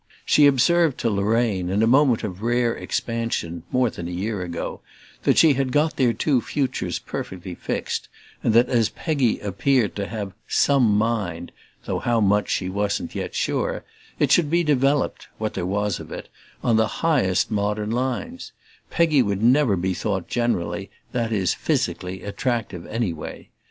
She observed to Lorraine, in a moment of rare expansion, more than a year ago, that she had got their two futures perfectly fixed, and that as Peggy appeared to have "some mind," though how much she wasn't yet sure, it should be developed, what there was of it, on the highest modern lines: Peggy would never be thought generally, that is physically, attractive anyway.